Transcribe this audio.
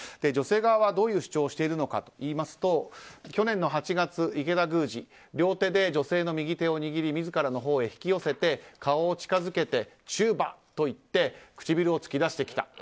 女性側は、どういう主張をしているかといいますと去年の８月、池田宮司両手で女性の右手を握り自らのほうへ引き寄せて顔を近づけてチューばと言って唇を突き出してきた。